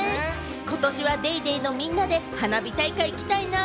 今年は『ＤａｙＤａｙ．』のみんなで花火大会行きたいな。